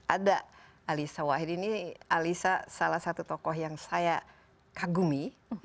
ada alisa wahid ini alisa salah satu tokoh yang saya kagumi